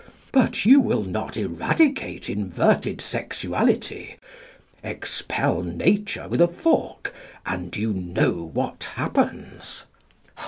But you will not eradicate inverted sexuality. Expel nature with a fork, and you know what happens.